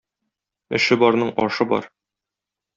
Эше барның ашы бар.